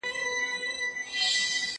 زه اوس مېوې وچوم.